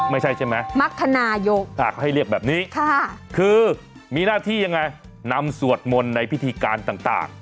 ไม่ใช่นะมักคณะยกคือมีหน้าที่ยังไงนำสวดมนต์ในพิธีการต่าง